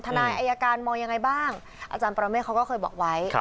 ทนายอายการมองยังไงบ้างอาจารย์ปรเมฆเขาก็เคยบอกไว้